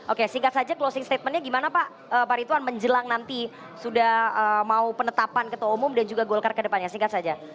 oke singkat saja closing statementnya gimana pak rituan menjelang nanti sudah mau penetapan ketua umum dan juga golkar kedepannya singkat saja